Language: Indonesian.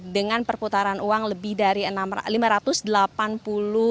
dengan perputaran uang lebih dari rp lima ratus delapan puluh